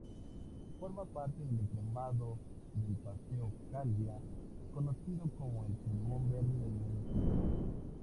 Forma parte del entramado del Paseo Calviá, conocido como el "Pulmón verde del municipio".